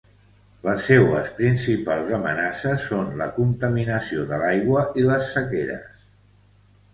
Les seues principals amenaces són la contaminació de l'aigua i les sequeres.